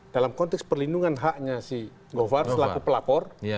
dalam konteks perlindungan haknya si govar selaku pelapor